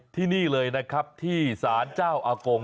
ที่นี่เลยนะครับที่สารเจ้าอากง